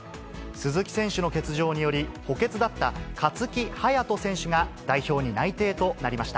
鈴木選手の欠場により、補欠だった勝木隼人選手が代表に内定となりました。